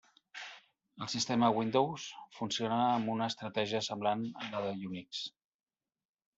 El sistema Windows funciona amb una estratègia semblant a la d'Unix.